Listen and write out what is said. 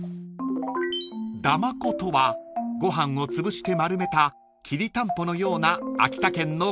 ［だまことはご飯をつぶして丸めたきりたんぽのような秋田県の郷土料理］